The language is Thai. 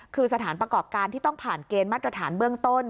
คือสถานประกอบการที่ต้องผ่านเกณฑ์มาตรฐานเบื้องต้น